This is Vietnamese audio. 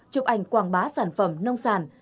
chụp ảnh quảng bá sản phẩm nông sản